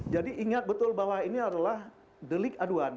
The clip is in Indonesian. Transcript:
jadi ingat betul bahwa ini adalah delik aduan